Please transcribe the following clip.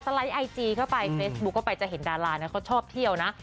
ไลค์ไอจีเข้าไปเฟซบุ๊คเข้าไปจะเห็นดารานะเขาชอบเที่ยวนะ